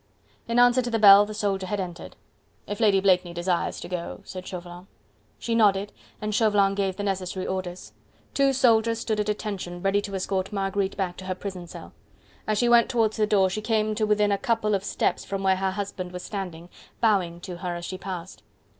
In answer to the bell, the soldier had entered. "If Lady Blakeney desires to go..." said Chauvelin. She nodded and Chauvelin gave the necessary orders: two soldiers stood at attention ready to escort Marguerite back to her prison cell. As she went towards the door she came to within a couple of steps from where her husband was standing, bowing to her as she passed.